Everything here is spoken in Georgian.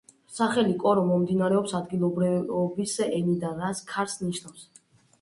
სახელი „კორო“ მომდინარეობს ადგილობრივების ენიდან, რაც ქარს ნიშნავს.